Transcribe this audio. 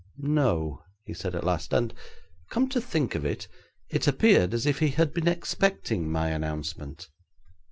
'No,' he said at last; 'and, come to think of it, it appeared as if he had been expecting my announcement.'